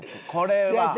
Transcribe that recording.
これは。